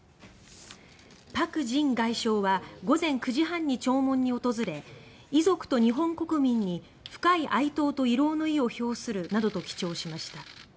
パク・ジン外相は午前９時半に弔問に訪れ「遺族と日本国民に深い哀悼と慰労の意を表する」などと記帳しました。